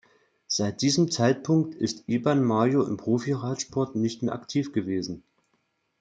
Seit diesem Zeitpunkt ist Iban Mayo im Profi-Radsport nicht mehr aktiv gewesen.